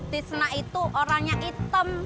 tisna itu orangnya item